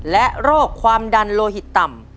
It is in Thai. และโรคความดันโลหิตต่ำ